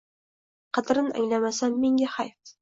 Qadrin anglamasam menga xayf